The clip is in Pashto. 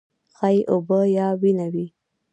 ښايي اوبه یا وینه وي.